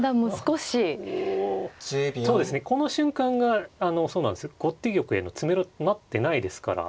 そうですねこの瞬間がそうなんです後手玉への詰めろになってないですから。